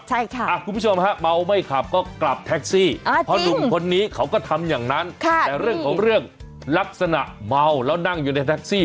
คุณผู้ชมฮะเมาไม่ขับก็กลับแท็กซี่เพราะหนุ่มคนนี้เขาก็ทำอย่างนั้นแต่เรื่องของเรื่องลักษณะเมาแล้วนั่งอยู่ในแท็กซี่